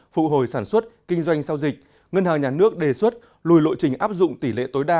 phụ hồi sản xuất kinh doanh sau dịch ngân hàng nhà nước đề xuất lùi lộ trình áp dụng tỷ lệ tối đa